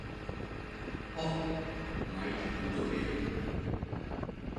อ้อ หมายถึงตัวเอง